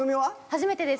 初めてです。